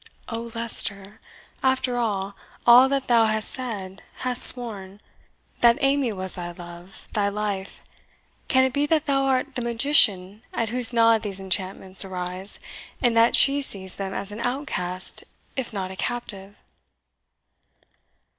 O Leicester! after all all that thou hast said hast sworn that Amy was thy love, thy life, can it be that thou art the magician at whose nod these enchantments arise, and that she sees them as an outcast, if not a captive?"